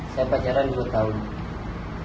saya pacaran dua tahun